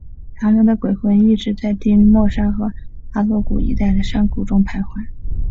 他们的鬼魂一直在丁默山和哈洛谷一带的山谷中徘徊。